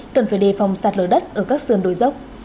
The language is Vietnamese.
cần phải đề phòng sạt lở đất ở các sườn đồi dốc